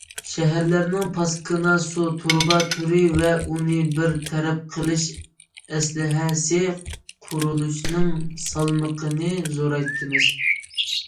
شەھەرلەرنىڭ پاسكىنا سۇ تۇرۇبا تورى ۋە ئۇنى بىر تەرەپ قىلىش ئەسلىھەسى قۇرۇلۇشىنىڭ سالمىقىنى زورايتىمىز.